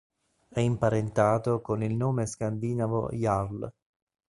È imparentato con il nome scandinavo Jarl.